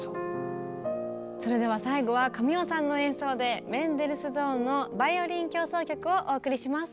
それでは最後は神尾さんの演奏でメンデルスゾーンの「バイオリン協奏曲」をお送りします。